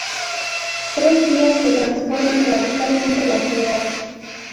Tres días que transforman radicalmente la ciudad.